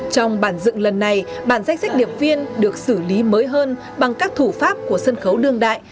trong bản dựng lần này bản danh sách điệp viên được xử lý mới hơn bằng các thủ pháp của sân khấu đương đại